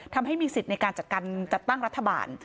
ทำให้มีสิทธิ์ในการจัดการจัดตั้งรัฐบาล